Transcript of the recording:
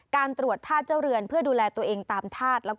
การตรวจธาตุเจ้าเรือนเพื่อดูแลตัวเองตามธาตุ